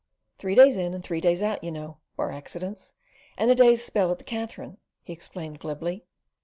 Three days in and three out, you know, bar accidents, and a day's spell at the Katherine," he explained glibly.